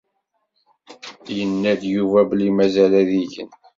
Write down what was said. Yenna-d Yuba belli mazal ad igen.